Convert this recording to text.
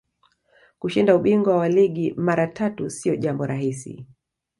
kushinda ubingwa wa ligi mara tatu siyo jambo rahisi